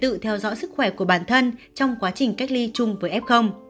tự theo dõi sức khỏe của bản thân trong quá trình cách ly chung với f